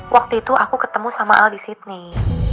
waktu itu aku ketemu sama al di sydney